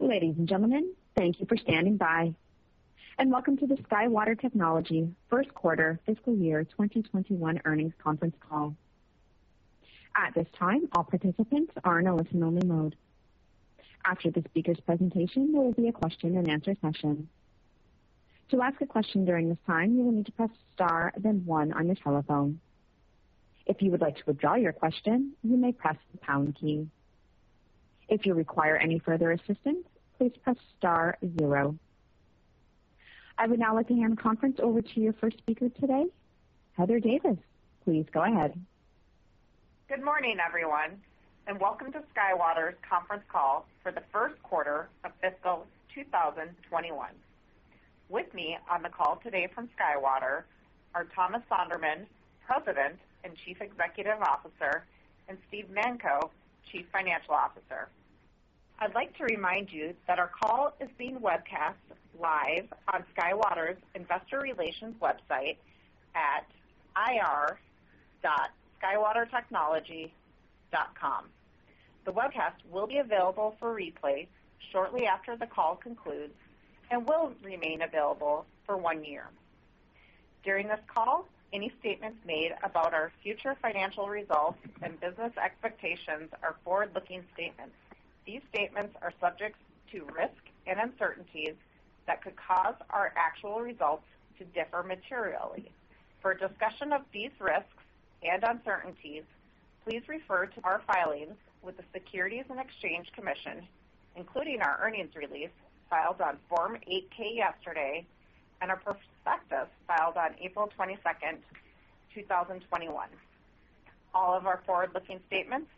Ladies and gentlemen, thank you for standing by, and welcome to the SkyWater Technology First Quarter Fiscal Year 2021 Earnings Conference Call. At this time, all participants are in a listen-only mode. After the speakers' presentation, there will be a question-and-answer session. To ask a question during this time, you will need to press star then one on your telephone. If you would like to withdraw your question, you may press the pound key. If you require any further assistance, please press star zero. I would now like to hand the conference over to your first speaker today, Heather Davis. Please go ahead. Good morning, everyone, welcome to SkyWater's conference call for the first quarter of fiscal 2021. With me on the call today from SkyWater are Thomas Sonderman, President and Chief Executive Officer, and Steve Manko, Chief Financial Officer. I'd like to remind you that our call is being webcast live on SkyWater's Investor Relations website at ir.skywatertechnology.com. The webcast will be available for replay shortly after the call concludes and will remain available for one year. During this call, any statements made about our future financial results and business expectations are forward-looking statements. These statements are subject to risks and uncertainties that could cause our actual results to differ materially. For a discussion of these risks and uncertainties, please refer to our filings with the Securities and Exchange Commission, including our earnings release filed on Form 8-K yesterday and our prospectus filed on April 22nd, 2021. All of our forward-looking statements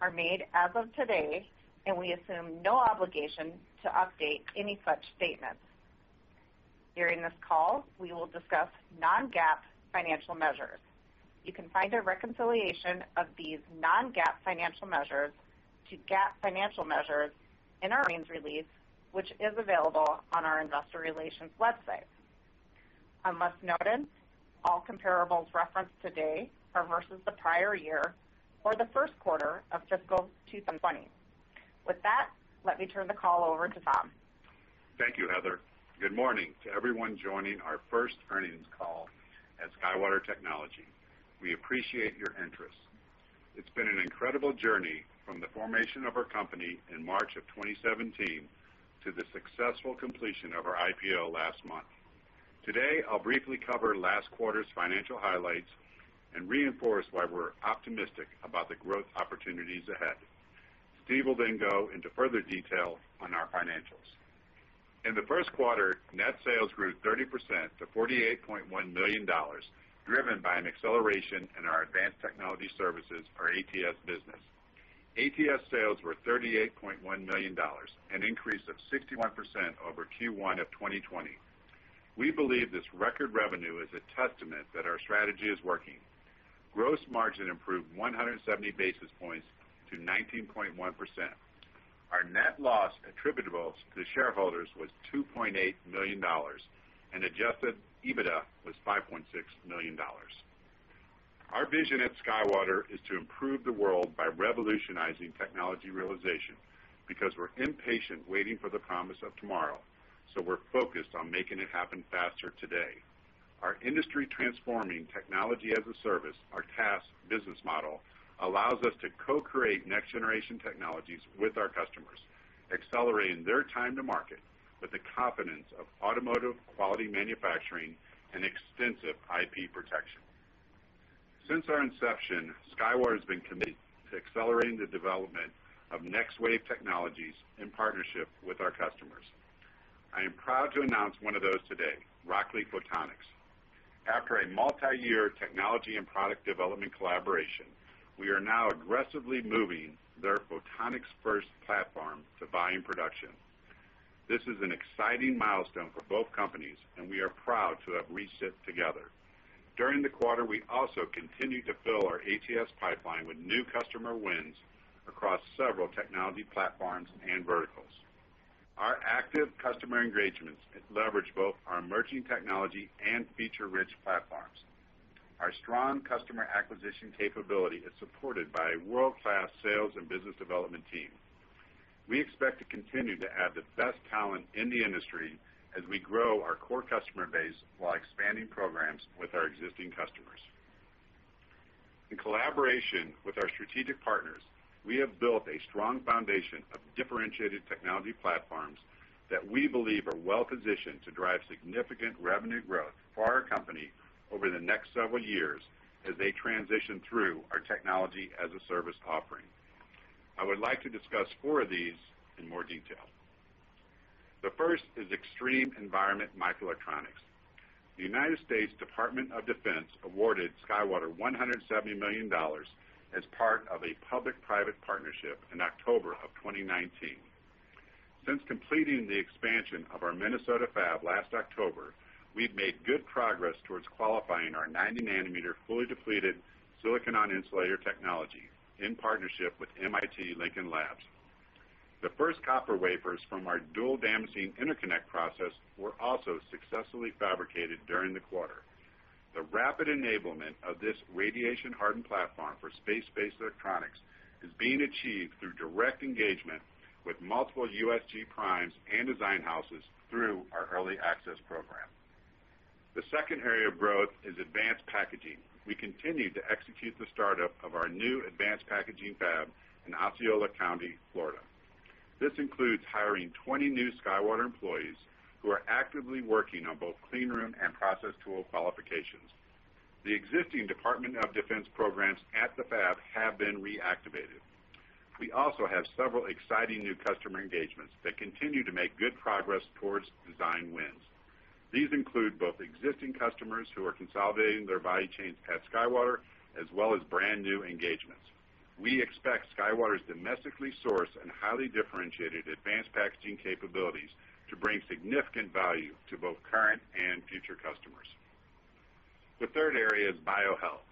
are made as of today, and we assume no obligation to update any such statements. During this call, we will discuss non-GAAP financial measures. You can find a reconciliation of these non-GAAP financial measures to GAAP financial measures in our earnings release, which is available on our investor relations website. I must note that all comparables referenced today are versus the prior year or the first quarter of fiscal 2020. With that, let me turn the call over to Tom. Thank you, Heather. Good morning to everyone joining our first earnings call at SkyWater Technology. We appreciate your interest. It's been an incredible journey from the formation of our company in March of 2017 to the successful completion of our IPO last month. Today, I'll briefly cover last quarter's financial highlights and reinforce why we're optimistic about the growth opportunities ahead. Steve Manko will then go into further detail on our financials. In the first quarter, net sales grew 30% to $48.1 million, driven by an acceleration in our Advanced Technology Services, our ATS business. ATS sales were $38.1 million, an increase of 61% over Q1 of 2020. We believe this record revenue is a testament that our strategy is working. Gross margin improved 170 basis points to 19.1%. Our net loss attributable to shareholders was $2.8 million, and adjusted EBITDA was $5.6 million. Our vision at SkyWater is to improve the world by revolutionizing technology realization because we're impatient waiting for the promise of tomorrow, so we're focused on making it happen faster today. Our industry-transforming Technology as a Service, our TaaS business model, allows us to co-create next-generation technologies with our customers, accelerating their time to market with the confidence of automotive quality manufacturing and extensive IP protection. Since our inception, SkyWater has been committed to accelerating the development of next-wave technologies in partnership with our customers. I am proud to announce one of those today, Rockley Photonics. After a multi-year technology and product development collaboration, we are now aggressively moving their silicon photonics platform to volume production. This is an exciting milestone for both companies, and we are proud to have reached it together. During the quarter, we also continued to fill our ATS pipeline with new customer wins across several technology platforms and verticals. Our active customer engagements leverage both our emerging technology and feature-rich platforms. Our strong customer acquisition capability is supported by a world-class sales and business development team. We expect to continue to add the best talent in the industry as we grow our core customer base while expanding programs with our existing customers. In collaboration with our strategic partners, we have built a strong foundation of differentiated technology platforms that we believe are well-positioned to drive significant revenue growth for our company over the next several years as they transition through our technology as a service offering. I would like to discuss four of these in more detail. The first is extreme environment microelectronics. The United States Department of Defense awarded SkyWater $170 million as part of a public-private partnership in October of 2019. Since completing the expansion of our Minnesota fab last October, we've made good progress towards qualifying our 90 nanometer fully depleted silicon on insulator technology in partnership with MIT Lincoln Laboratory. The first copper wafers from our dual damascene interconnect process were also successfully fabricated during the quarter. The rapid enablement of this radiation-hardened platform for space-based electronics is being achieved through direct engagement with multiple USG primes and design houses through our early access program. The second area of growth is advanced packaging. We continue to execute the startup of our new advanced packaging fab in Osceola County, Florida. This includes hiring 20 new SkyWater employees who are actively working on both clean room and process tool qualifications. The existing Department of Defense programs at the fab have been reactivated. We also have several exciting new customer engagements that continue to make good progress towards design wins. These include both existing customers who are consolidating their value chains at SkyWater, as well as brand new engagements. We expect SkyWater's domestically sourced and highly differentiated advanced packaging capabilities to bring significant value to both current and future customers. The third area is biohealth.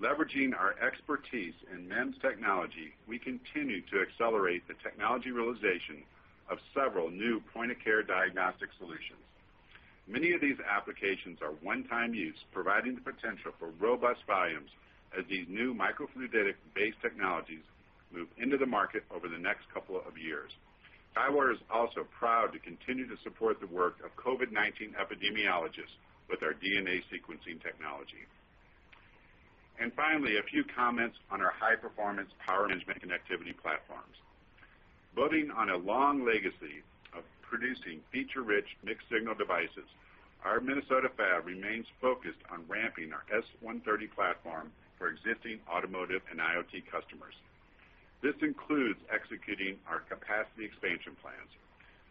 Leveraging our expertise in MEMS technology, we continue to accelerate the technology realization of several new point-of-care diagnostic solutions. Many of these applications are one-time use, providing the potential for robust volumes as these new microfluidic-based technologies move into the market over the next couple of years. SkyWater is also proud to continue to support the work of COVID-19 epidemiologists with our DNA sequencing technology. Finally, a few comments on our high-performance power management connectivity platforms. Building on a long legacy of producing feature-rich mixed-signal devices, our Minnesota fab remains focused on ramping our S130 platform for existing automotive and IoT customers. This includes executing our capacity expansion plans.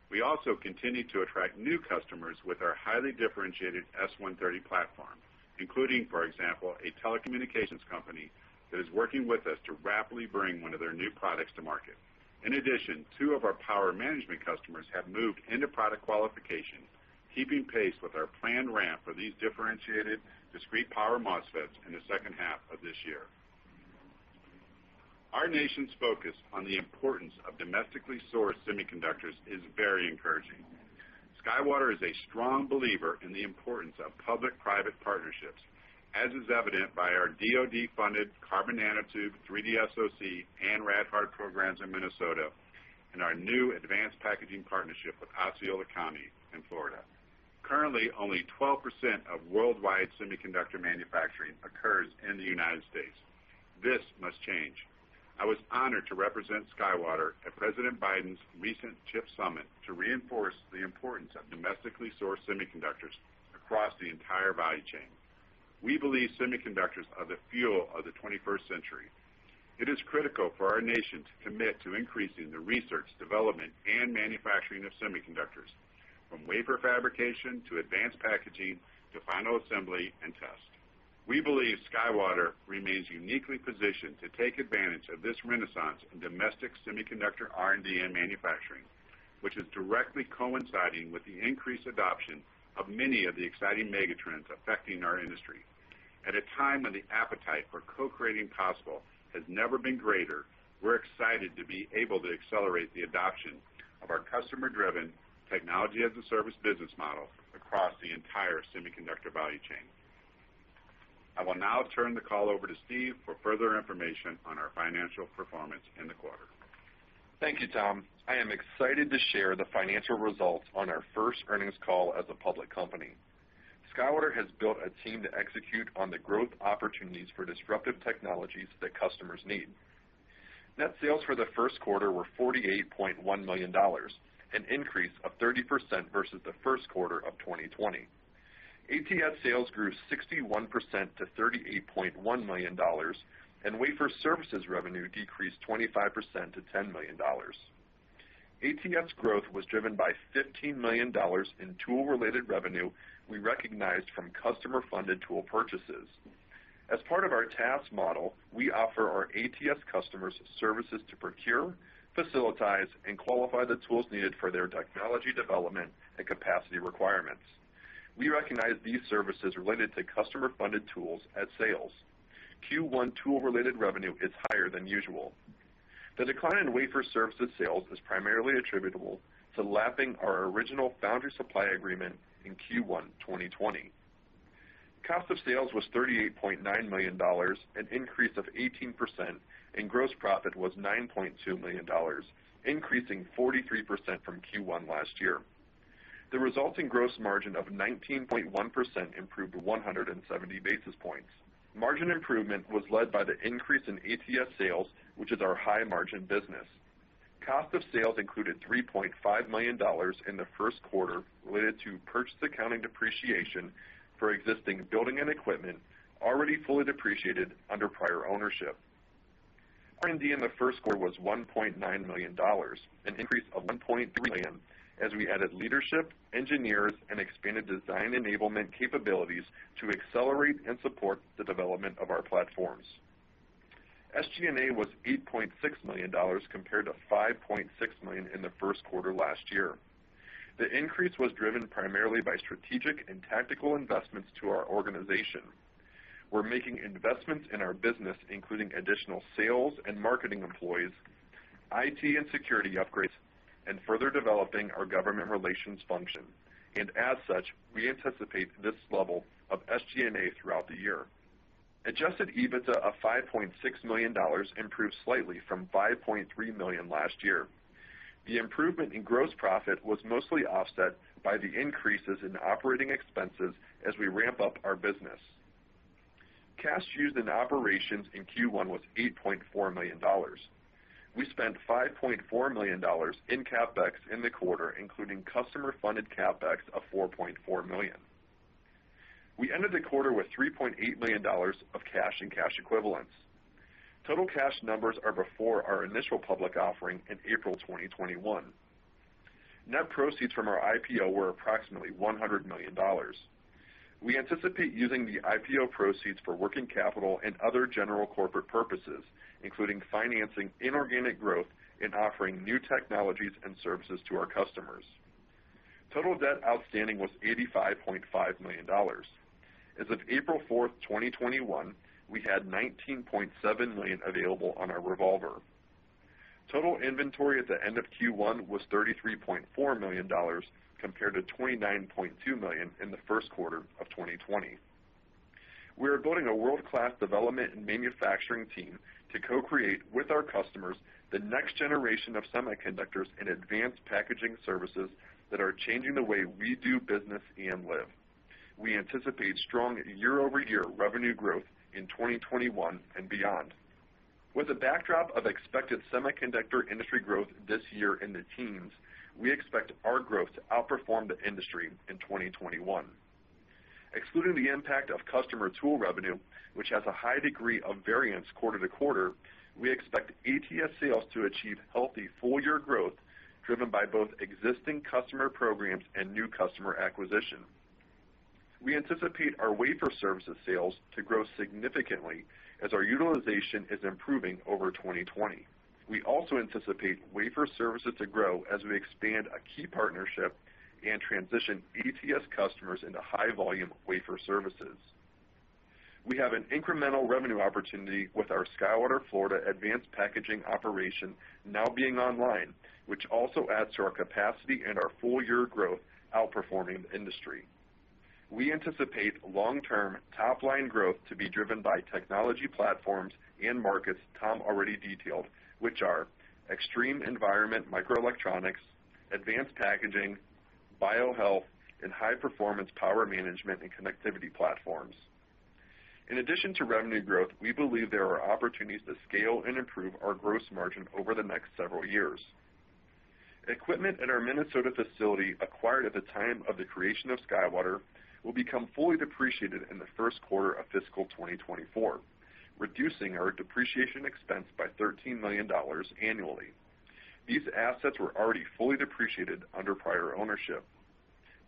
We also continue to attract new customers with our highly differentiated S130 platform, including, for example, a telecommunications company that is working with us to rapidly bring one of their new products to market. In addition, two of our power management customers have moved into product qualification, keeping pace with our planned ramp for these differentiated discrete power MOSFETs in the second half of this year. Our nation's focus on the importance of domestically sourced semiconductors is very encouraging. SkyWater is a strong believer in the importance of public-private partnerships, as is evident by our DoD-funded carbon nanotube 3D SoC and RadHard programs in Minnesota and our new advanced packaging partnership with Osceola County in Florida. Currently, only 12% of worldwide semiconductor manufacturing occurs in the U.S. This must change. I was honored to represent SkyWater at President Biden's recent chip summit to reinforce the importance of domestically sourced semiconductors across the entire value chain. We believe semiconductors are the fuel of the 21st century. It is critical for our nation to commit to increasing the research, development, and manufacturing of semiconductors, from wafer fabrication to advanced packaging to final assembly and test. We believe SkyWater remains uniquely positioned to take advantage of this renaissance in domestic semiconductor R&D and manufacturing, which is directly coinciding with the increased adoption of many of the exciting megatrends affecting our industry. At a time when the appetite for co-creating possible has never been greater, we're excited to be able to accelerate the adoption of our customer-driven Technology-as-a-Service business model across the entire semiconductor value chain. I will now turn the call over to Steve for further information on our financial performance in the quarter. Thank you, Tom. I am excited to share the financial results on our first earnings call as a public company. SkyWater has built a team to execute on the growth opportunities for disruptive technologies that customers need. Net sales for the first quarter were $48.1 million, an increase of 30% versus the first quarter of 2020. ATS sales grew 61% to $38.1 million, and wafer services revenue decreased 25% to $10 million. ATS growth was driven by $15 million in tool-related revenue we recognized from customer-funded tool purchases. As part of our TaaS model, we offer our ATS customers services to procure, facilitate, and qualify the tools needed for their technology development and capacity requirements. We recognize these services related to customer-funded tools as sales. Q1 tool-related revenue is higher than usual. The decline in wafer services sales is primarily attributable to lapping our original foundry supply agreement in Q1 2020. Cost of sales was $38.9 million, an increase of 18%, and gross profit was $9.2 million, increasing 43% from Q1 last year. The resulting gross margin of 19.1% improved 170 basis points. Margin improvement was led by the increase in ATS sales, which is our high-margin business. Cost of sales included $3.5 million in the first quarter related to purchase accounting depreciation for existing building and equipment already fully depreciated under prior ownership. R&D in the first quarter was $1.9 million, an increase of $1.3 million as we added leadership, engineers, and expanded design enablement capabilities to accelerate and support the development of our platforms. SG&A was $8.6 million compared to $5.6 million in the first quarter last year. The increase was driven primarily by strategic and tactical investments to our organization. We're making investments in our business, including additional sales and marketing employees, IT and security upgrades, and further developing our government relations function. As such, we anticipate this level of SG&A throughout the year. Adjusted EBITDA of $5.6 million improved slightly from $5.3 million last year. The improvement in gross profit was mostly offset by the increases in operating expenses as we ramp up our business. Cash used in operations in Q1 was $8.4 million. We spent $5.4 million in CapEx in the quarter, including customer-funded CapEx of $4.4 million. We ended the quarter with $3.8 million of cash and cash equivalents. Total cash numbers are before our Initial Public Offering in April 2021. Net proceeds from our IPO were approximately $100 million. We anticipate using the IPO proceeds for working capital and other general corporate purposes, including financing inorganic growth and offering new technologies and services to our customers. Total debt outstanding was $85.5 million. As of April 4th, 2021, we had $19.7 million available on our revolver. Total inventory at the end of Q1 was $33.4 million, compared to $29.2 million in the first quarter of 2020. We are building a world-class development and manufacturing team to co-create with our customers the next generation of semiconductors and advanced packaging services that are changing the way we do business and live. We anticipate strong year-over-year revenue growth in 2021 and beyond. With a backdrop of expected semiconductor industry growth this year in the teens, we expect our growth to outperform the industry in 2021. Excluding the impact of customer tool revenue, which has a high degree of variance quarter-to-quarter, we expect ATS sales to achieve healthy full-year growth driven by both existing customer programs and new customer acquisition. We anticipate our wafer services sales to grow significantly as our utilization is improving over 2020. We also anticipate wafer services to grow as we expand a key partnership and transition ATS customers into high-volume wafer services. We have an incremental revenue opportunity with our SkyWater Florida advanced packaging operation now being online, which also adds to our capacity and our full-year growth outperforming the industry. We anticipate long-term top-line growth to be driven by technology platforms and markets Tom already detailed, which are extreme environment microelectronics, advanced packaging, biohealth, and high-performance power management and connectivity platforms. In addition to revenue growth, we believe there are opportunities to scale and improve our gross margin over the next several years. Equipment in our Minnesota facility acquired at the time of the creation of SkyWater will become fully depreciated in the first quarter of fiscal 2024, reducing our depreciation expense by $13 million annually. These assets were already fully depreciated under prior ownership.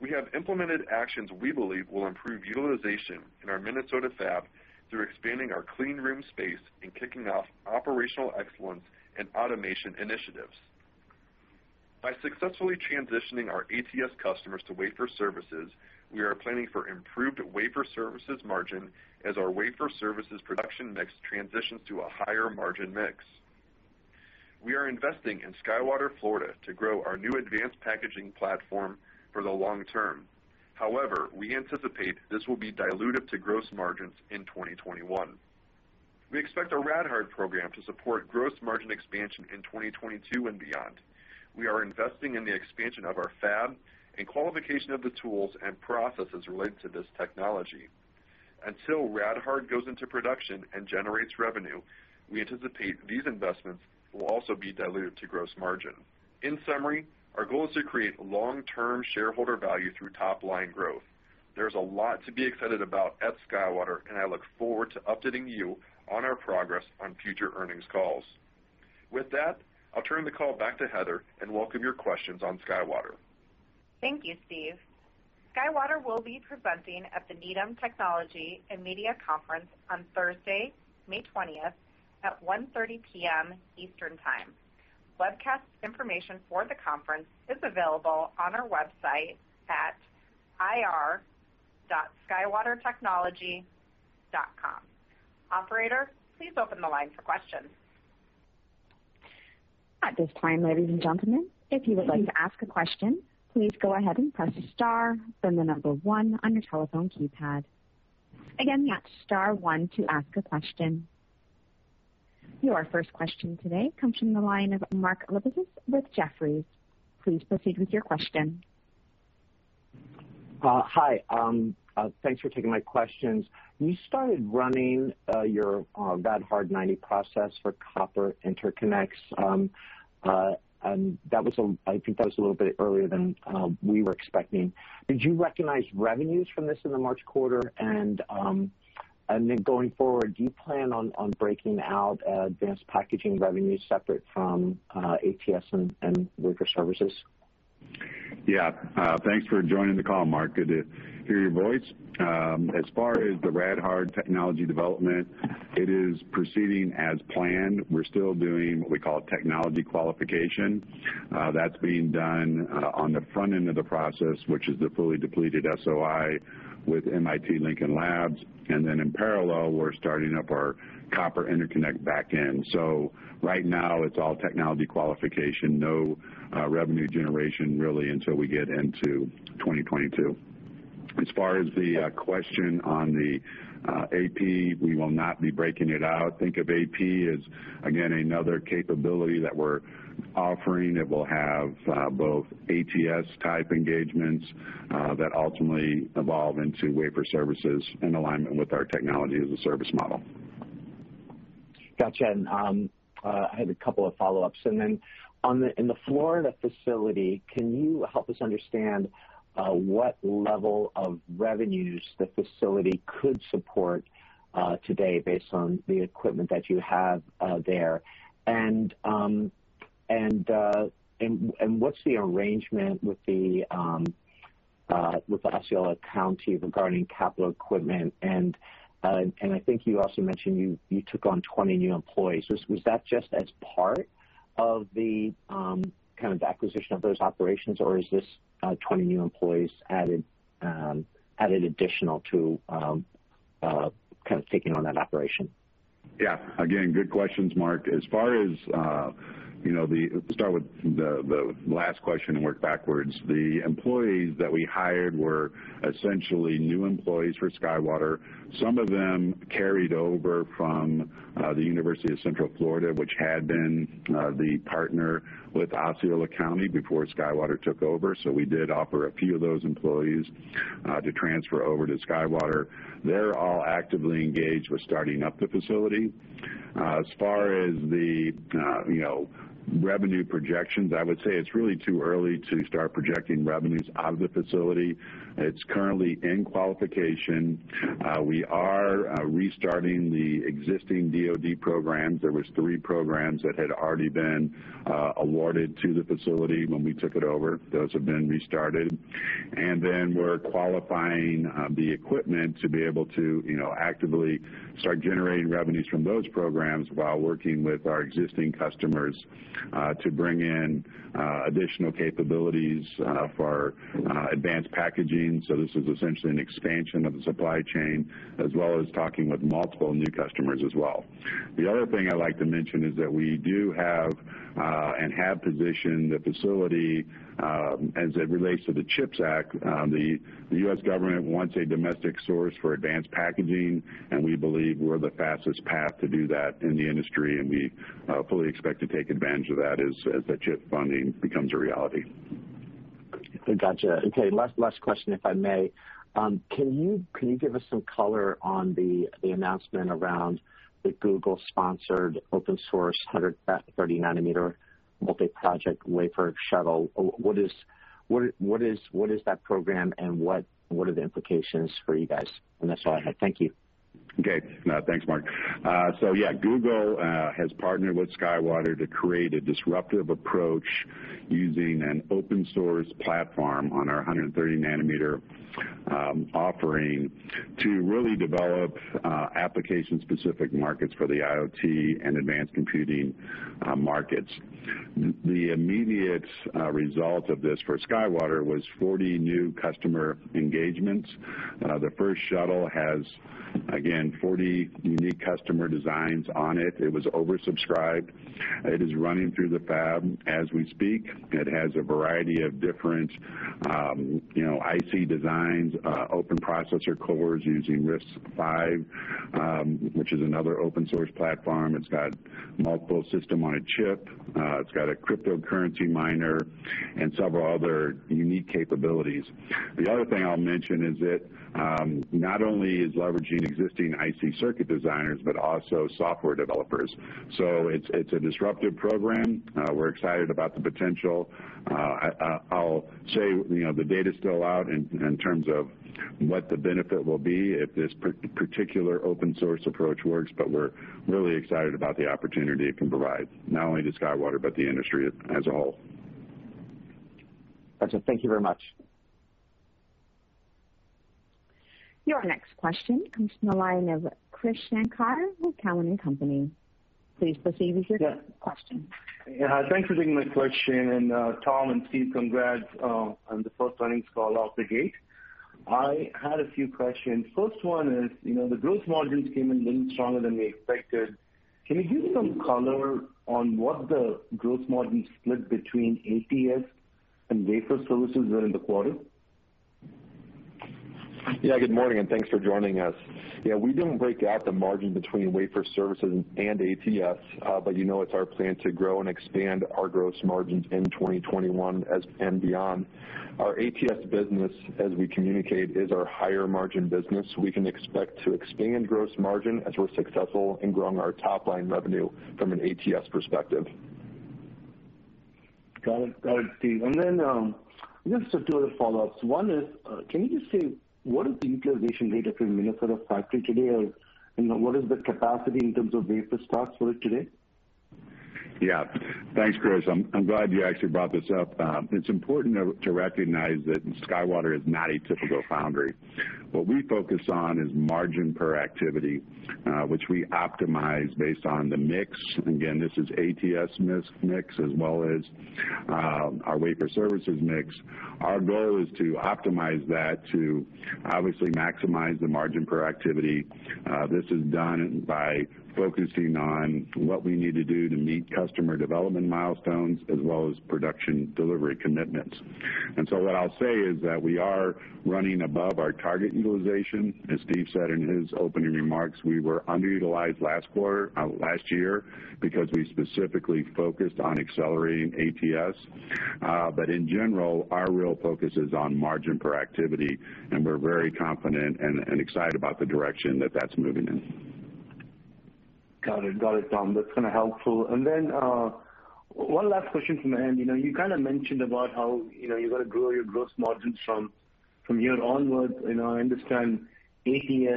We have implemented actions we believe will improve utilization in our Minnesota fab through expanding our clean room space and kicking off operational excellence and automation initiatives. By successfully transitioning our ATS customers to wafer services, we are planning for improved wafer services margin as our wafer services production mix transitions to a higher margin mix. We are investing in SkyWater Florida to grow our new advanced packaging platform for the long term. However, we anticipate this will be dilutive to gross margins in 2021. We expect our RadHard program to support gross margin expansion in 2022 and beyond. We are investing in the expansion of our fab and qualification of the tools and processes related to this technology. Until RadHard goes into production and generates revenue, we anticipate these investments will also be dilutive to gross margin. In summary, our goal is to create long-term shareholder value through top-line growth. There's a lot to be excited about at SkyWater, and I look forward to updating you on our progress on future earnings calls. With that, I'll turn the call back to Heather and welcome your questions on SkyWater. Thank you, Steve. SkyWater will be presenting at the Needham Technology, Media & Telecom Conference on Thursday, May 20th at 1:30 P.M. Eastern Time. Webcast information for the conference is available on our website at ir.skywatertechnology.com. Operator, please open the line for questions. At this time, ladies and gentlemen, if you would like to ask a question, please go ahead and press star, then the number one on your telephone keypad. Again, that's star one to ask a question. Your first question today comes from the line of Mark Lipacis with Jefferies. Please proceed with your question. Hi. Thanks for taking my questions. When you started running your RH90 process for copper interconnects, that was a little bit earlier than we were expecting. Did you recognize revenues from this in the March quarter? Going forward, do you plan on breaking out advanced packaging revenues separate from ATS and wafer services? Thanks for joining the call, Mark. Good to hear your voice. As far as the RadHard technology development, it is proceeding as planned. We're still doing what we call technology qualification. That's being done on the front end of the process, which is the fully depleted SOI with MIT Lincoln Labs. In parallel, we're starting up our copper interconnect back end. Right now it's all technology qualification, no revenue generation, really, until we get into 2022. As far as the question on the AP, we will not be breaking it out. Think of AP as, again, another capability that we're offering. It will have both ATS-type engagements that ultimately evolve into wafer services in alignment with our Technology as a Service model. Gotcha. I had a couple of follow-ups. In the Florida facility, can you help us understand what level of revenues the facility could support today based on the equipment that you have there? What's the arrangement with the Osceola County regarding capital equipment? I think you also mentioned you took on 20 new employees. Was that just as part of the acquisition of those operations, or is this 20 new employees added additional to kind of taking on that operation? Again, good questions, Mark. Let's start with the last question and work backwards. The employees that we hired were essentially new employees for SkyWater. Some of them carried over from the University of Central Florida, which had been the partner with Osceola County before SkyWater took over. We did offer a few of those employees to transfer over to SkyWater. They're all actively engaged with starting up the facility. As far as the revenue projections, I would say it's really too early to start projecting revenues out of the facility. It's currently in qualification. We are restarting the existing DoD programs. There was three programs that had already been awarded to the facility when we took it over. Those have been restarted. We're qualifying the equipment to be able to actively start generating revenues from those programs while working with our existing customers to bring in additional capabilities for advanced packaging. This is essentially an expansion of the supply chain, as well as talking with multiple new customers as well. I'd like to mention is that we do have, and have positioned the facility as it relates to the CHIPS Act. The U.S. government wants a domestic source for advanced packaging, and we believe we're the fastest path to do that in the industry, and we fully expect to take advantage of that as the chip funding becomes a reality. Gotcha. Okay, last question, if I may. Can you give us some color on the announcement around the Google-sponsored open source 130 nanometer multi-project wafer shuttle? What is that program, and what are the implications for you guys? That's all I had. Thank you. Okay. Thanks, Mark. Google has partnered with SkyWater to create a disruptive approach using an open source platform on our 130 nanometer offering to really develop application-specific markets for the IoT and advanced computing markets. The immediate result of this for SkyWater was 40 new customer engagements. The first shuttle has, again, 40 unique customer designs on it. It was oversubscribed. It is running through the fab as we speak. It has a variety of different IC designs, open processor cores using RISC-V, which is another open source platform. It's got multiple system on a chip. It's got a cryptocurrency miner and several other unique capabilities. The other thing I'll mention is it not only is leveraging existing IC circuit designers, but also software developers. It's a disruptive program. We're excited about the potential. I'll say the data's still out in terms of what the benefit will be if this particular open source approach works, but we're really excited about the opportunity it can provide not only to SkyWater, but the industry as a whole. Gotcha. Thank you very much. Your next question comes from the line of Krish Sankar with Cowen and Company. Please proceed with your question. Yeah. Thanks for taking my question, and Tom and Steve, congrats on the first earnings call out of the gate. I had a few questions. First one is, the gross margins came in a little stronger than we expected. Can you give some color on what the gross margin split between ATS and wafer services were in the quarter? Yeah, good morning, and thanks for joining us. Yeah, we don't break out the margin between wafer services and ATS, but you know it's our plan to grow and expand our gross margins in 2021 and beyond. Our ATS business, as we communicate, is our higher margin business. We can expect to expand gross margin as we're successful in growing our top-line revenue from an ATS perspective. Got it, Steve. Just two other follow-ups. One is, can you just say what is the utilization rate at your Minnesota factory today, or what is the capacity in terms of wafer starts for today? Thanks, Krish. I'm glad you actually brought this up. It's important to recognize that SkyWater is not a typical foundry. What we focus on is margin per activity, which we optimize based on the mix. Again, this is ATS mix as well as our wafer services mix. Our goal is to optimize that to obviously maximize the margin per activity. This is done by focusing on what we need to do to meet customer development milestones as well as production delivery commitments. What I'll say is that we are running above our target utilization. As Steve said in his opening remarks, we were underutilized last year because we specifically focused on accelerating ATS. In general, our real focus is on margin per activity, and we're very confident and excited about the direction that that's moving in. Got it, Tom. That's kind of helpful. One last question from me. You kind of mentioned about how you're going to grow your gross margins from here onwards. I understand increasing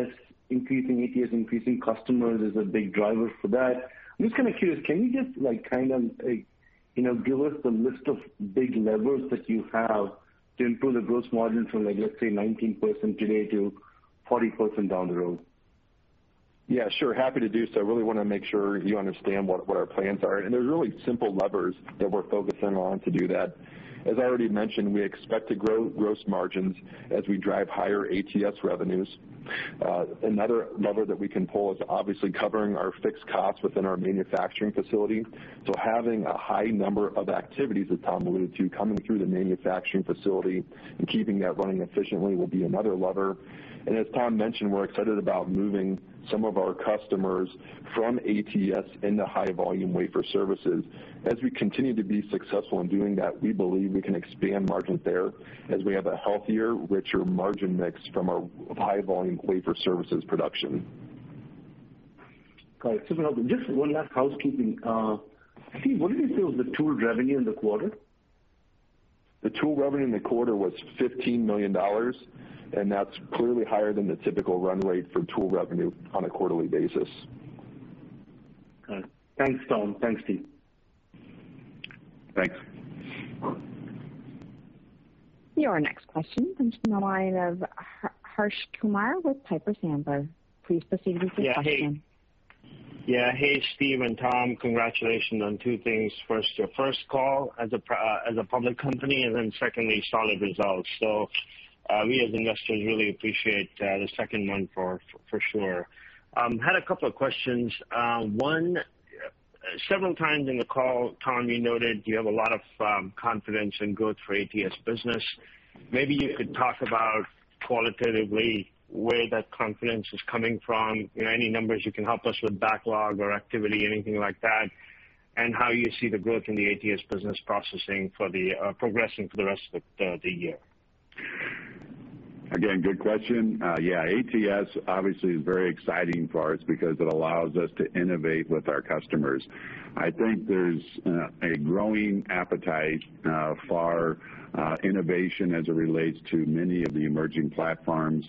ATS, increasing customers is a big driver for that. I'm just kind of curious, can you just give us the list of big levers that you have to improve the gross margin from, let's say, 19% today to 40% down the road? Yeah, sure. Happy to do so. I really want to make sure you understand what our plans are. They're really simple levers that we're focusing on to do that. As I already mentioned, we expect to grow gross margins as we drive higher ATS revenues. Another lever that we can pull is obviously covering our fixed costs within our manufacturing facility. Having a high number of activities, as Tom alluded to, coming through the manufacturing facility and keeping that running efficiently will be another lever. As Tom mentioned, we're excited about moving some of our customers from ATS into high-volume wafer services. As we continue to be successful in doing that, we believe we can expand margin there as we have a healthier, richer margin mix from our high-volume wafer services production. Got it. Just one last housekeeping. Steve, what do you feel is the tool revenue in the quarter? The tool revenue in the quarter was $15 million. That's clearly higher than the typical run rate for tool revenue on a quarterly basis. Okay. Thanks, Tom. Thanks, Steve. Thanks. Your next question comes from the line of Harsh Kumar with Piper Sandler. Please proceed with your question. Hey, Steve and Tom. Congratulations on two things. First, your first call as a public company, secondly, solid results. We as investors really appreciate the second one for sure. I had a couple of questions. One, several times in the call, Tom, you noted you have a lot of confidence and growth for ATS business. Maybe you could talk about qualitatively where that confidence is coming from. Any numbers you can help us with backlog or activity, anything like that, and how you see the growth in the ATS business progressing for the rest of the year. Good question. ATS obviously is very exciting for us because it allows us to innovate with our customers. I think there's a growing appetite for innovation as it relates to many of the emerging platforms.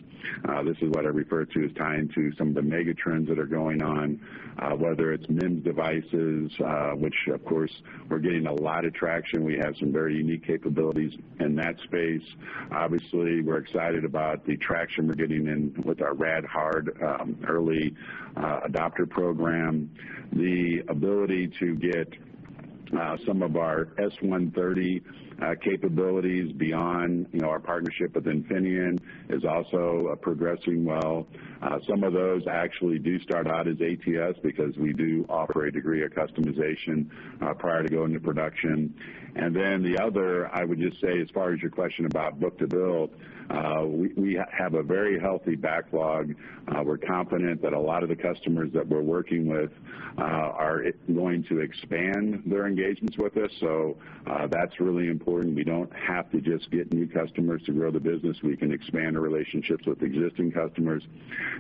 This is what I refer to as tying to some of the mega trends that are going on, whether it's MEMS devices, which of course we're gaining a lot of traction. We have some very unique capabilities in that space. Obviously, we're excited about the traction we're getting in with our RadHard early adopter program. The ability to get some of our S130 capabilities beyond our partnership with Infineon is also progressing well. Some of those actually do start out as ATS because we do offer a degree of customization prior to going to production. The other, I would just say, as far as your question about book-to-bill, we have a very healthy backlog. We're confident that a lot of the customers that we're working with are going to expand their engagements with us, so that's really important. We don't have to just get new customers to grow the business. We can expand our relationships with existing customers.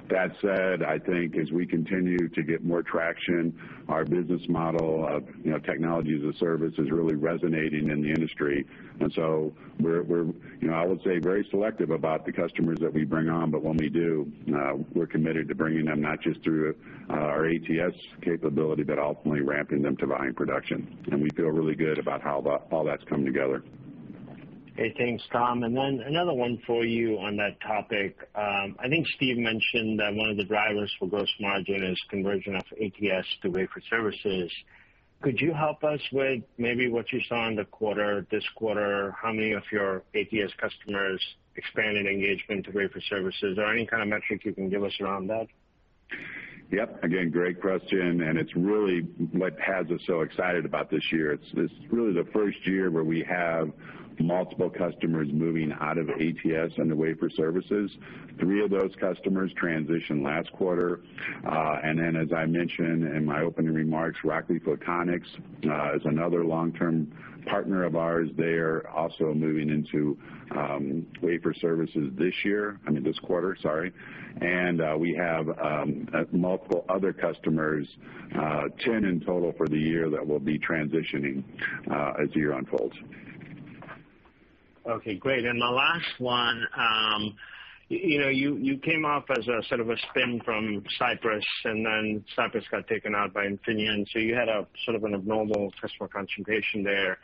That said, I think as we continue to get more traction, our business model of Technology as a Service is really resonating in the industry. I would say very selective about the customers that we bring on. When we do, we're committed to bringing them not just through our ATS capability, but ultimately ramping them to volume production. We feel really good about how all that's come together. Hey, thanks, Tom. Another one for you on that topic. I think Steve mentioned that one of the drivers for gross margin is conversion of ATS to wafer services. Could you help us with maybe what you saw in the quarter, this quarter, how many of your ATS customers expanded engagement to wafer services? Any kind of metric you can give us around that? Yep. Again, great question, and it's really what has us so excited about this year. It's really the first year where we have multiple customers moving out of ATS into wafer services. Three of those customers transitioned last quarter. Then as I mentioned in my opening remarks, Rockley Photonics is another long-term partner of ours. They are also moving into wafer services, I mean, this quarter, sorry. We have multiple other customers, 10 in total for the year, that will be transitioning as the year unfolds. Okay, great. The last one. You came off as a sort of a spin from Cypress Semiconductor, and then Cypress Semiconductor got taken out by Infineon Technologies, so you had a sort of an abnormal customer concentration there.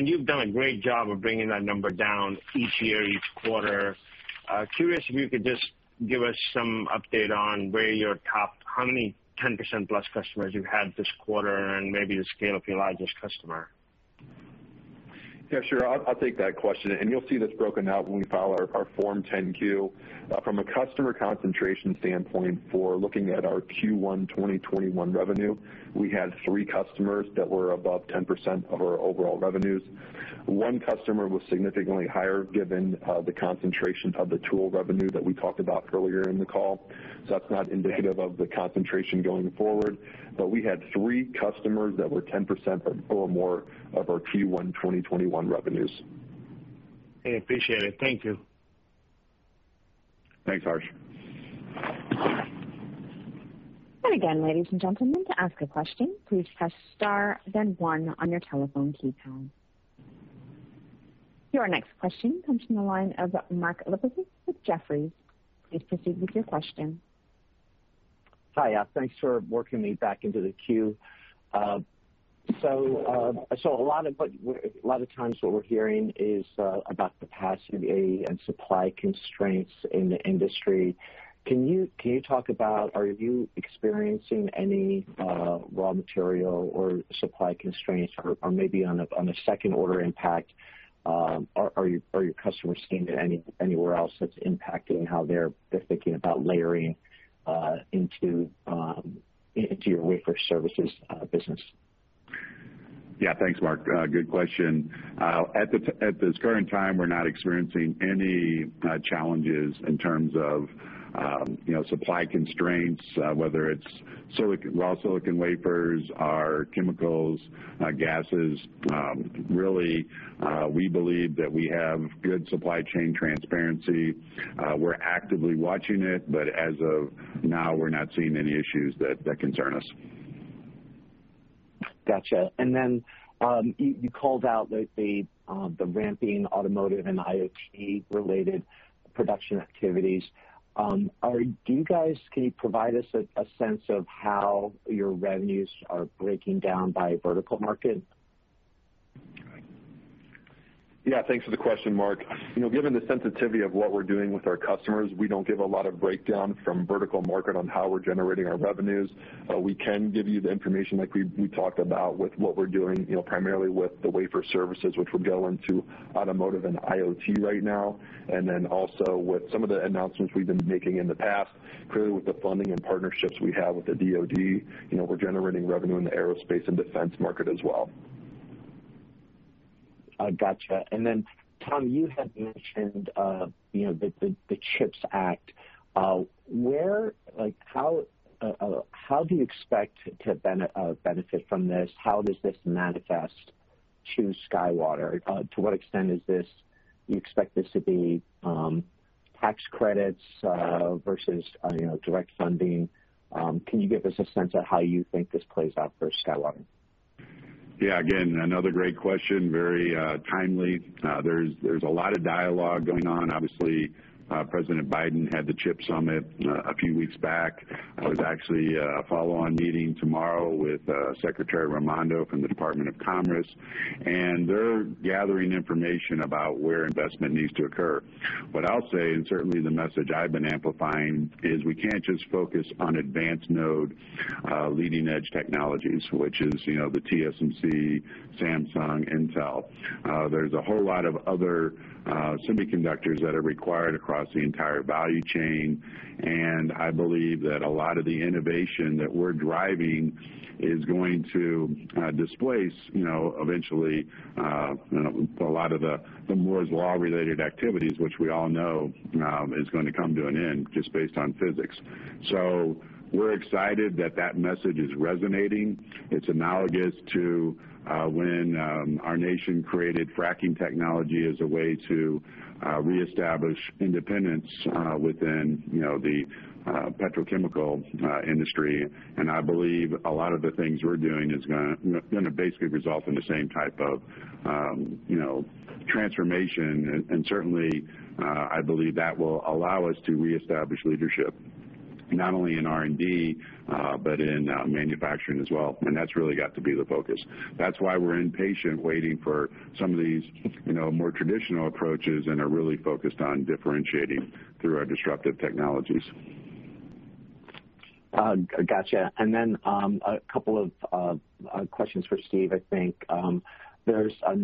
You've done a great job of bringing that number down each year, each quarter. Curious if you could just give us some update on where your top, how many 10%-plus customers you've had this quarter, and maybe the scale of your largest customer. Yeah, sure. I'll take that question. You'll see this broken out when we file our Form 10-Q. From a customer concentration standpoint, for looking at our Q1 2021 revenue, we had three customers that were above 10% of our overall revenues. One customer was significantly higher given the concentration of the tool revenue that we talked about earlier in the call. That's not indicative of the concentration going forward. We had three customers that were 10% or more of our Q1 2021 revenues. Hey, appreciate it. Thank you. Thanks, Harsh. Again, ladies and gentlemen, to ask a question, please press star then one on your telephone keypad. Your next question comes from the line of Mark Lipacis with Jefferies. Please proceed with your question. Hi. Thanks for working me back into the queue. A lot of times what we're hearing is about capacity and supply constraints in the industry. Can you talk about, are you experiencing any raw material or supply constraints or maybe on a second order impact are your customers seeing it anywhere else that's impacting how they're thinking about layering into your wafer services business? Yeah, thanks, Mark. Good question. At this current time, we're not experiencing any challenges in terms of supply constraints, whether it's raw silicon wafers, our chemicals, gases. Really, we believe that we have good supply chain transparency. We're actively watching it, but as of now, we're not seeing any issues that concern us. Got you. You called out the ramping automotive and IoT-related production activities. Can you provide us a sense of how your revenues are breaking down by vertical market? Yeah. Thanks for the question, Mark. Given the sensitivity of what we're doing with our customers, we don't give a lot of breakdown from vertical market on how we're generating our revenues. We can give you the information like we talked about with what we're doing primarily with the wafer services, which would go into automotive and IoT right now, also with some of the announcements we've been making in the past. Clearly, with the funding and partnerships we have with the DoD, we're generating revenue in the aerospace and defense market as well. Got you. Tom, you had mentioned the CHIPS Act. How do you expect to benefit from this? How does this manifest to SkyWater? To what extent do you expect this to be tax credits versus direct funding? Can you give us a sense of how you think this plays out for SkyWater? Yeah, again, another great question. Very timely. There's a lot of dialogue going on. Obviously, President Biden had the CHIPS Summit a few weeks back. There's actually a follow-on meeting tomorrow with Secretary Raimondo from the Department of Commerce, and they're gathering information about where investment needs to occur. What I'll say, and certainly the message I've been amplifying is we can't just focus on advanced-node leading-edge technologies, which is the TSMC, Samsung, Intel. There's a whole lot of other semiconductors that are required across the entire value chain, and I believe that a lot of the innovation that we're driving is going to displace eventually a lot of the Moore's law-related activities, which we all know is going to come to an end just based on physics. We're excited that that message is resonating. It's analogous to when our nation created fracking technology as a way to reestablish independence within the petrochemical industry. I believe a lot of the things we're doing is going to basically result in the same type of transformation. Certainly, I believe that will allow us to reestablish leadership not only in R&D, but in manufacturing as well. That's really got to be the focus. That's why we're impatient waiting for some of these more traditional approaches and are really focused on differentiating through our disruptive technologies. Got you. Then a couple of questions for Steve, I think. There's a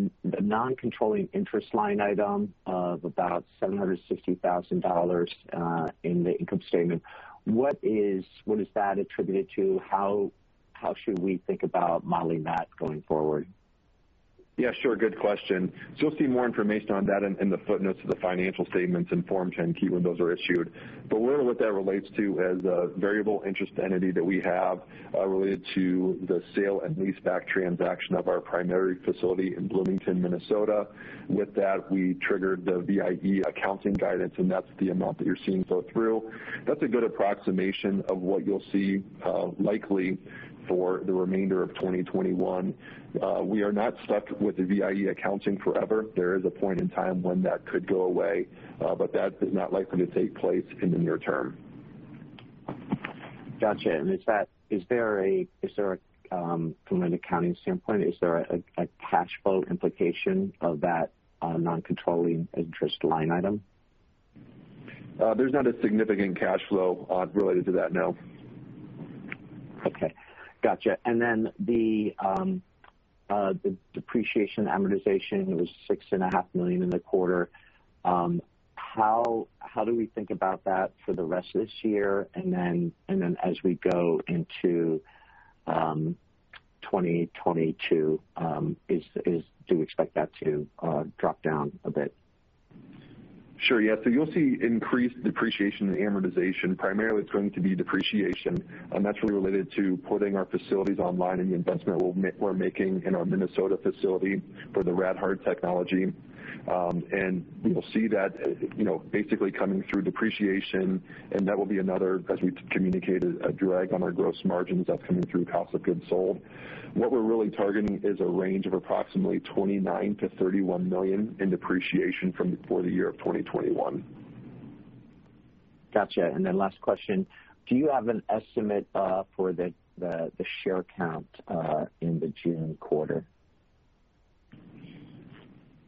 non-controlling interest line item of about $760,000 in the income statement. What is that attributed to? How should we think about modeling that going forward? Yeah, sure. Good question. You'll see more information on that in the footnotes of the financial statements in Form 10-Q when those are issued. Part of what that relates to is a variable interest entity that we have related to the sale and leaseback transaction of our primary facility in Bloomington, Minnesota. With that, we triggered the VIE accounting guidance, and that's the amount that you're seeing flow through. That's a good approximation of what you'll see likely for the remainder of 2021. We are not stuck with the VIE accounting forever. There is a point in time when that could go away, but that is not likely to take place in the near term. Got you. From an accounting standpoint, is there a cash flow implication of that non-controlling interest line item? There's not a significant cash flow related to that, no. Okay, got you. The depreciation amortization was $6.5 million in the quarter. How do we think about that for the rest of this year? As we go into 2022, do we expect that to drop down a bit? Sure. Yeah, you'll see increased depreciation and amortization. Primarily, it's going to be depreciation, and that's related to putting our facilities online and the investment we're making in our Minnesota facility for the RadHard technology. You'll see that basically coming through depreciation, and that will be another, as we communicated, a drag on our gross margins that's coming through cost of goods sold. What we're really targeting is a range of approximately $29 million-$31 million in depreciation for the year 2021. Got you. Last question, do you have an estimate for the share count in the June quarter?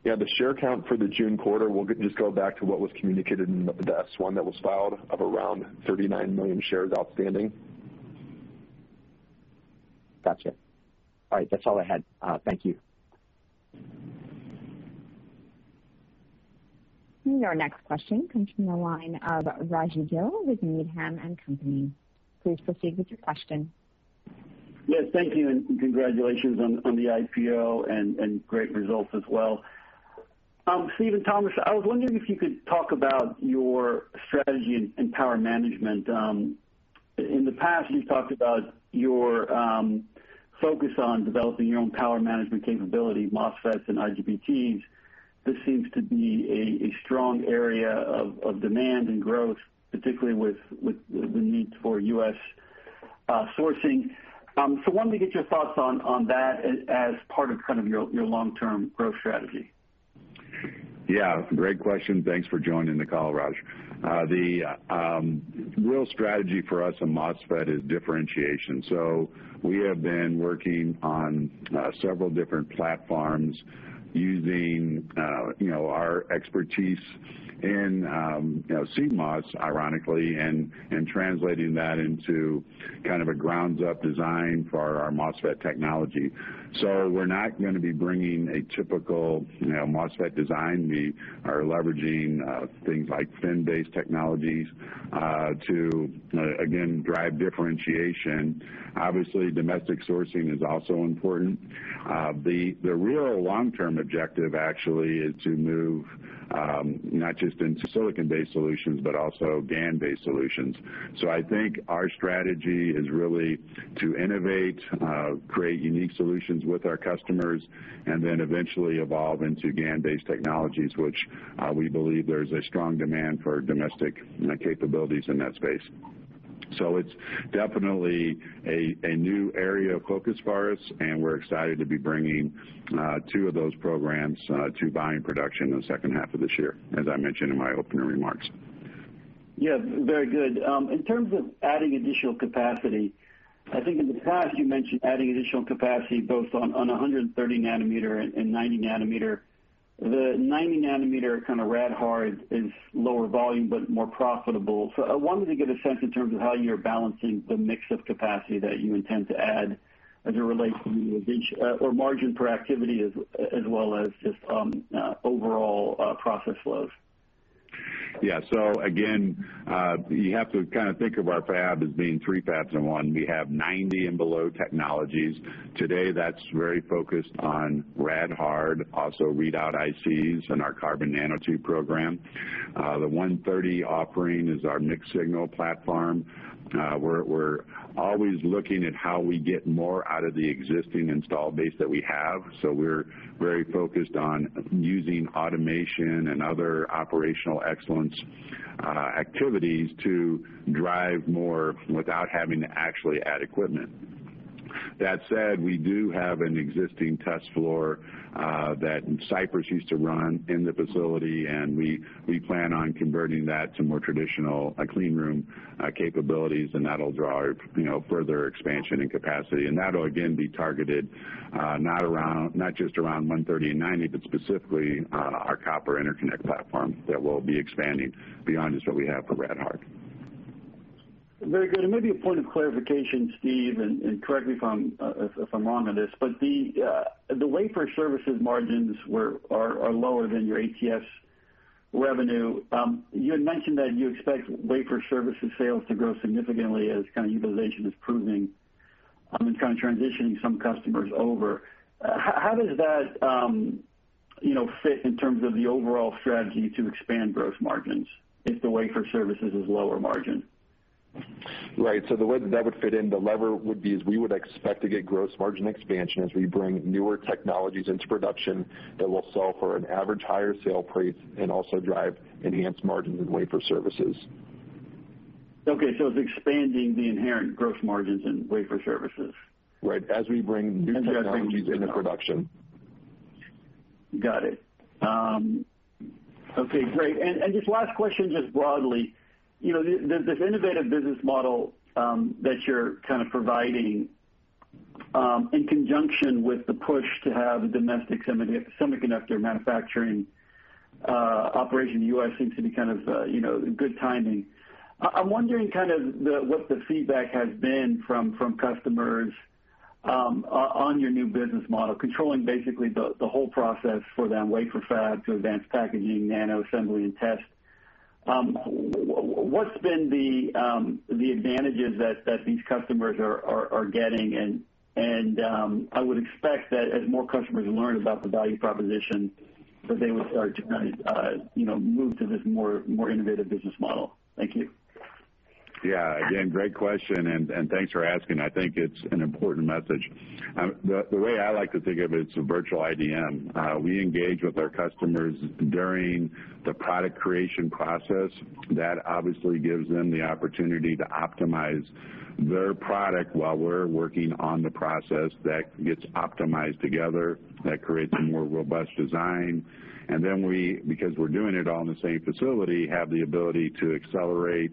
Yeah, the share count for the June quarter will just go back to what was communicated in the S-1 that was filed of around 39 million shares outstanding. Got you. All right, that's all I had. Thank you. Our next question comes from the line of Rajvindra Gill with Needham & Company. Please proceed with your question. Thank you, and congratulations on the IPO and great results as well. Steve, Thomas, I was wondering if you could talk about your strategy in power management. In the past, you've talked about your focus on developing your own power management capability, MOSFETs and IGBTs. This seems to be a strong area of demand and growth, particularly with the need for U.S. sourcing. I wanted to get your thoughts on that as part of your long-term growth strategy. Yeah, great question. Thanks for joining the call, Raj. The real strategy for us in MOSFET is differentiation. We have been working on several different platforms using our expertise in CMOS, ironically, and translating that into kind of a grounds-up design for our MOSFET technology. We're not going to be bringing a typical MOSFET design meet or leveraging things like fin-based technologies to, again, drive differentiation. Obviously, domestic sourcing is also important. The real long-term objective actually is to move not just into silicon-based solutions but also GaN-based solutions. I think our strategy is really to innovate, create unique solutions with our customers, and then eventually evolve into GaN-based technologies, which we believe there's a strong demand for domestic capabilities in that space. It's definitely a new area of focus for us, and we're excited to be bringing two of those programs to volume production in the second half of this year, as I mentioned in my opening remarks. Yeah. Very good. In terms of adding additional capacity, I think in the past you mentioned adding additional capacity both on 130 nanometer and 90 nanometer. The 90 nanometer kind of RadHard is lower volume but more profitable. I wanted to get a sense in terms of how you're balancing the mix of capacity that you intend to add as it relates to margin per activity as well as just overall process flows. Again, you have to kind of think of our fab as being three fabs in one. We have 90 and below technologies. Today, that's very focused on RadHard, also readout ICs and our carbon nanotube program. The 130 offering is our mixed signal platform. We're always looking at how we get more out of the existing install base that we have, so we're very focused on using automation and other operational excellence activities to drive more without having to actually add equipment. That said, we do have an existing test floor that Cypress used to run in the facility, and we plan on converting that to more traditional clean room capabilities, and that'll drive further expansion and capacity. That'll again be targeted not just around 130 and 90, but specifically our copper interconnect platform that we'll be expanding beyond just what we have for RadHard. Very good. Maybe a point of clarification, Steve, and correct me if I'm wrong on this, but the wafer services margins are lower than your ATS revenue. You had mentioned that you expect wafer services sales to grow significantly as kind of utilization is improving. I'm kind of transitioning some customers over. How does that fit in terms of the overall strategy to expand gross margins if the wafer services is lower margin? Right. The way that would fit in the lever would be is we would expect to get gross margin expansion as we bring newer technologies into production that will sell for an average higher sale price and also drive enhanced margin in wafer services. It's expanding the inherent gross margins in wafer services. Right, as we bring new technologies into production. Got it. Okay, great. Just last question, just broadly. This innovative business model that you're kind of providing in conjunction with the push to have a domestic semiconductor manufacturing operation in the U.S. seems to be kind of good timing. I'm wondering kind of what the feedback has been from customers on your new business model, controlling basically the whole process for them, wafer fab to advanced packaging, nano assembly, and test. What's been the advantages that these customers are getting? I would expect that as more customers learn about the value proposition, that they would start to kind of move to this more innovative business model. Thank you. Yeah. Again, great question, and thanks for asking. I think it's an important message. The way I like to think of it's a virtual IDM. We engage with our customers during the product creation process. That obviously gives them the opportunity to optimize their product while we're working on the process that gets optimized together, that creates a more robust design. We, because we're doing it all in the same facility, have the ability to accelerate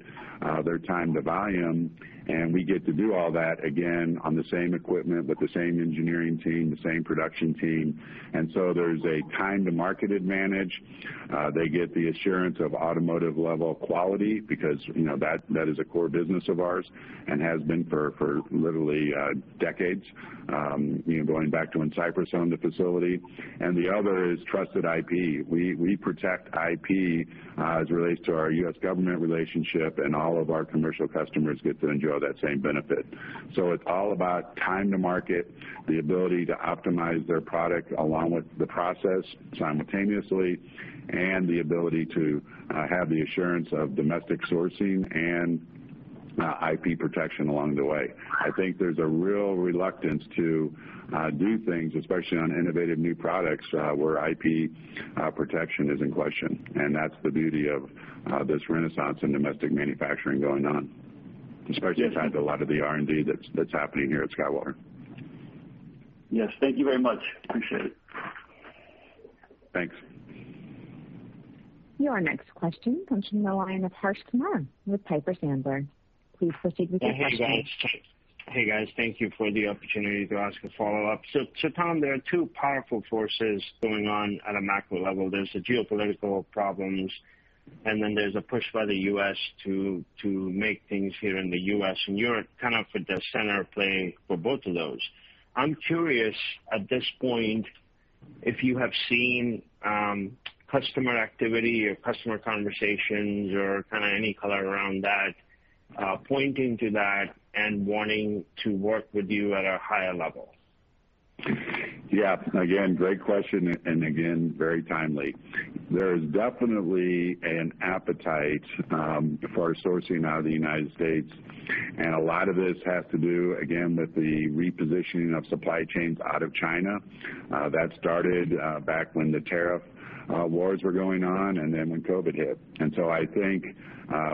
their time to volume, and we get to do all that again, on the same equipment with the same engineering team, the same production team. There's a time to market advantage. They get the assurance of automotive level quality because that is a core business of ours and has been for literally decades, going back to when Cypress owned the facility. The other is trusted IP. We protect IP as it relates to our U.S. government relationship. All of our commercial customers get to enjoy that same benefit. It's all about time to market, the ability to optimize their product along with the process simultaneously, and the ability to have the assurance of domestic sourcing and IP protection along the way. I think there's a real reluctance to do things, especially on innovative new products, where IP protection is in question. That's the beauty of this renaissance in domestic manufacturing going on, especially as it ties a lot of the R&D that's happening here at SkyWater. Yes, thank you very much. Appreciate it. Thanks. Your next question comes from the line of Harsh Kumar with Piper Sandler. Please proceed with your question. Hey, guys. Thank you for the opportunity to ask a follow-up. Tom, there are two powerful forces going on at a macro level. There's the geopolitical problems, and then there's a push by the U.S. to make things here in the U.S., and you're kind of at the center playing for both of those. I'm curious at this point, if you have seen customer activity or customer conversations or kind of any color around that, pointing to that and wanting to work with you at a higher level. Yeah. Again, great question, and again, very timely. There's definitely an appetite for sourcing out of the United States, and a lot of this has to do, again, with the repositioning of supply chains out of China. That started back when the tariff wars were going on, and then when COVID hit. I think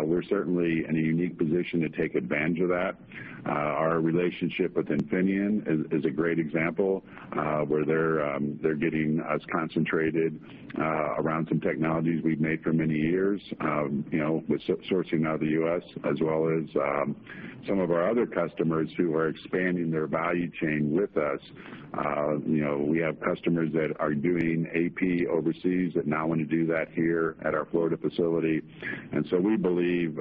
we're certainly in a unique position to take advantage of that. Our relationship with Infineon is a great example, where they're getting as concentrated around some technologies we've made for many years with sourcing out of the U.S. as well as some of our other customers who are expanding their value chain with us. We have customers that are doing AP overseas that now want to do that here at our Florida facility. We believe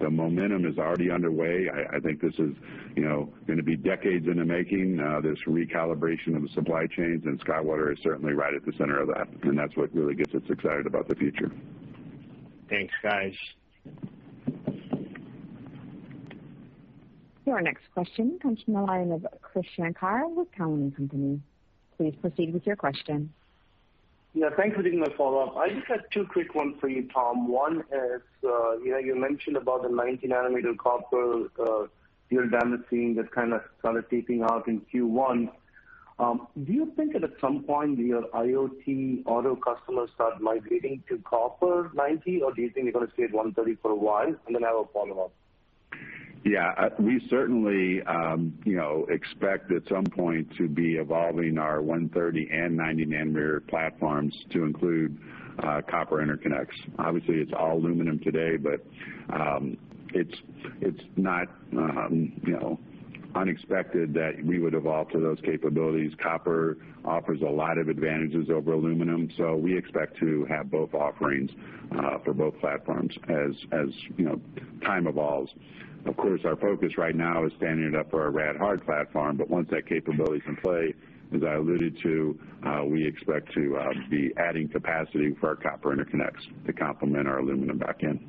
the momentum is already underway. I think this is going to be decades in the making, this recalibration of supply chains, and SkyWater is certainly right at the center of that, and that's what really gets us excited about the future. Thanks, guys. Your next question comes from the line of Krish Sankar with Cowen and Company. Please proceed with your question. Yeah, thanks for taking my follow-up. I just had two quick ones for you, Tom. One is, you mentioned about the 90 nanometer copper dual damascene that kind of started taping out in Q1. Do you think that at some point your IoT auto customers start migrating to copper 90, or do you think they're going to stay at 130 for a while? I have a follow-up. Yeah. We certainly expect at some point to be evolving our 130 and 90 nanometer platforms to include copper interconnects. Obviously, it's all aluminum today, but it's not unexpected that we would evolve to those capabilities. Copper offers a lot of advantages over aluminum, so we expect to have both offerings for both platforms as time evolves. Of course, our focus right now is standing it up for our RadHard platform, but once that capability's in play, as I alluded to, we expect to be adding capacity for our copper interconnects to complement our aluminum back-end.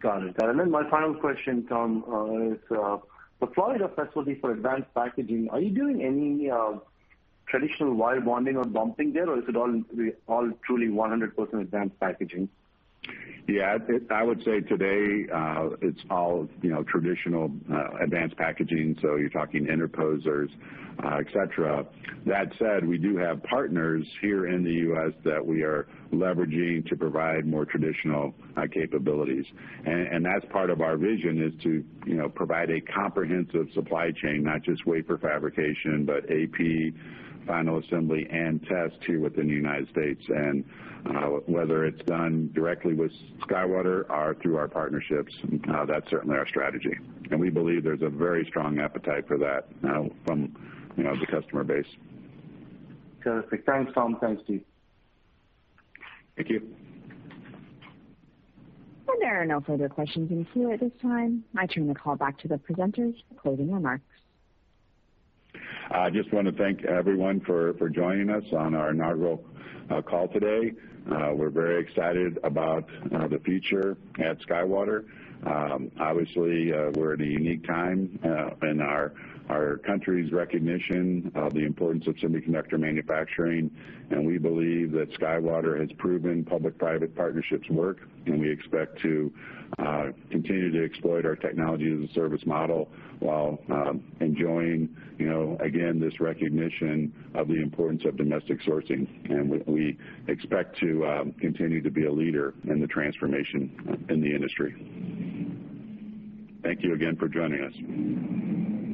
Got it. Then my final question, Tom, is the Florida facility for advanced packaging, are you doing any traditional wire bonding or bumping there, or is it all truly 100% advanced packaging? Yeah. I would say today it's all traditional advanced packaging, so you're talking interposers, et cetera. That said, we do have partners here in the U.S. that we are leveraging to provide more traditional capabilities. That's part of our vision is to provide a comprehensive supply chain, not just wafer fabrication, but AP final assembly and test here within the United States. Whether it's done directly with SkyWater or through our partnerships, that's certainly our strategy. We believe there's a very strong appetite for that from the customer base. Terrific. Thanks, Tom. Thanks, team. Thank you. There are no further questions in queue at this time. I turn the call back to the presenters for closing remarks. I just want to thank everyone for joining us on our inaugural call today. We're very excited about the future at SkyWater. Obviously, we're at a unique time in our country's recognition of the importance of semiconductor manufacturing, and we believe that SkyWater has proven public-private partnerships work, and we expect to continue to exploit our Technology as a Service model while enjoying, again, this recognition of the importance of domestic sourcing. We expect to continue to be a leader in the transformation in the industry. Thank you again for joining us.